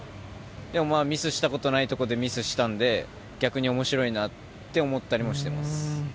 でもミスしたことないところでミスしたので逆に面白いなって思ったりもしてます。